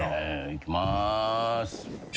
いきます。